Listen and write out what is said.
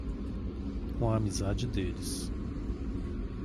Com a amizade deles